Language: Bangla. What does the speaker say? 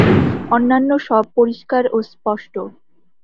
অন্যান্য সব পরিষ্কার ও স্পষ্ট।